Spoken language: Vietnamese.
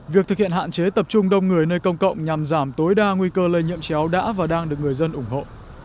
việc thực hiện hạn chế tập trung đông người nơi công cộng nhằm giảm tối đa nguy cơ lây nhiễm chéo đã và đang được người dân ủng hộ